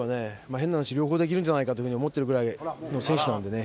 変な話両方できるんじゃないかという風に思ってるぐらいの選手なんでね。